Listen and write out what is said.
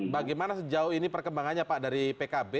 bagaimana sejauh ini perkembangannya pak dari pkb